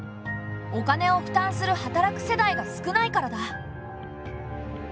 お金を負担する働く世代が少ないからだ。